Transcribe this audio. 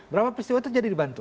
berapa peristiwa terjadi dibantu